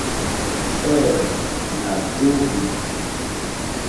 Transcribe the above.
Ɛ̄ɛ̄, nà jóhwì.